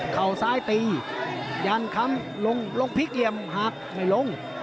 เขาซ้ายตียันคำลงพลิกเหลี่ยมหักไม่ลง